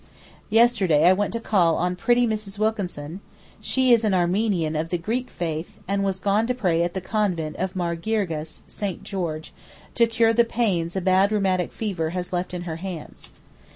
Yesterday I went to call on pretty Mrs. Wilkinson, she is an Armenian of the Greek faith, and was gone to pray at the convent of Mar Girgis (St. George) to cure the pains a bad rheumatic fever has left in her hands.